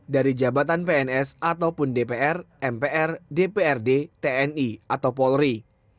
perbatan pns ataupun dpr mpr dprd tni atau polri